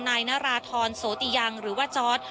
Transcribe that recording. นายนาราธรโสติยังหรือว่าจอร์ด